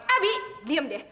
abi diam deh